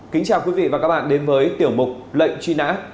kính chào quý vị và các bạn đến với tiểu mục lệnh truy nã